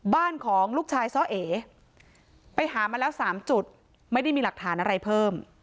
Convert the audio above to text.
บ้านของลูกชายซ่อเอไปหามาแล้ว๓จุดไม่ได้มีหลักฐานอะไรเพิ่ม